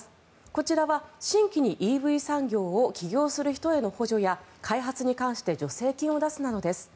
こちらは新規にＥＶ産業を起業する人への補助や開発に関して助成金を出すなどです。